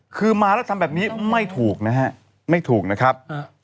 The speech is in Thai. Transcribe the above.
คือมาแล้วทำแบบนี้ไม่ถูกนะฮะไม่ถูกนะครับ